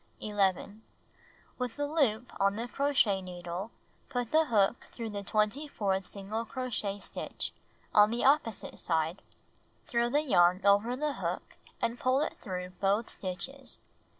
Trying oim A Teddy Bear Suit 141 11. With the loop on the crochet needle, put the hook through the twenty fourth single crochet stitch, on the opposite side, throw the yarn over the hook, and pull it through both stitches.